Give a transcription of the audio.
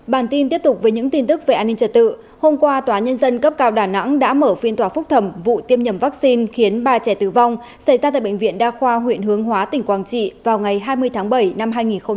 bản tin tiếp tục với những tin tức về an ninh trật tự hôm qua tòa nhân dân cấp cao đà nẵng đã mở phiên tòa phúc thẩm vụ tiêm nhầm vaccine khiến ba trẻ tử vong xảy ra tại bệnh viện đa khoa huyện hướng hóa tỉnh quảng trị vào ngày hai mươi tháng bảy năm hai nghìn hai mươi ba